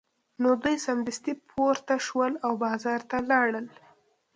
نو دوی سمدستي پورته شول او بازار ته لاړل